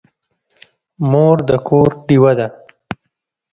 مور د کور ډېوه ده.